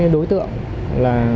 đối tượng là